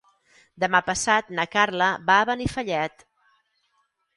Demà passat na Carla va a Benifallet.